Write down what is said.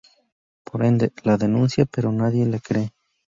Por ende, la denuncia, pero nadie le cree.